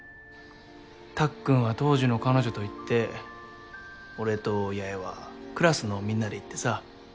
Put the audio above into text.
たっくんは当時の彼女と行って俺と八重はクラスのみんなで行ってさ。